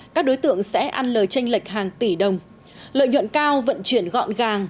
các đối tượng sẽ ăn lời tranh lệch hàng tỷ đồng lợi nhuận cao vận chuyển gọn gàng